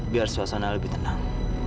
biar suasana lebih tenang